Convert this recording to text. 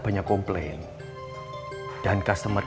buatnya pintunya bener